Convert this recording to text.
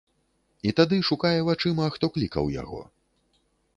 І тады шукае вачыма, хто клікаў яго.